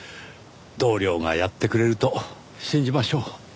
同僚がやってくれると信じましょう。